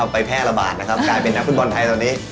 เอาไปแพร่ระบาดขายเป็นนักภูมิบอลไทยนี้